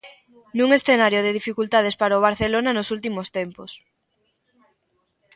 Nun escenario de dificultades para o Barcelona nos últimos tempos.